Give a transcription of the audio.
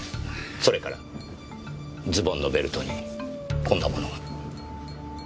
それからズボンのベルトにこんな物が。